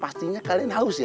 pastinya kalian haus ya